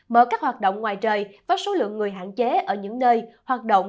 mở các hoạt động ngoài trời với số lượng người hạn chế ở những nơi hoạt động